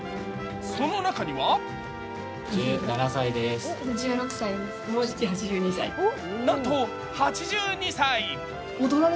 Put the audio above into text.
その中にはなんと８２歳。